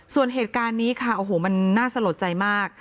ส่วนเหตุการณ์นี้ค่ะโอ้โหมันน่าสลดใจมาก